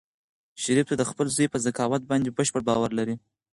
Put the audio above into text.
شریف د خپل زوی په ذکاوت باندې بشپړ باور لري.